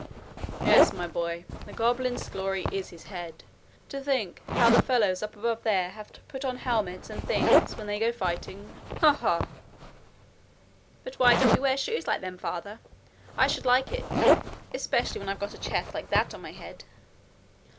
'Yes my boy. The goblin's glory is his head. To think how the fellows up above there have to put on helmets and things when they go fighting! Ha! ha!' 'But why don't we wear shoes like them, father? I should like it especially when I've got a chest like that on my head.'